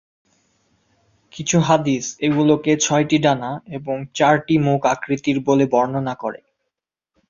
কিছু হাদীস এগুলোকে ছয়টি ডানা এবং চারটি মুখ আকৃতির বলে বর্ণনা করে।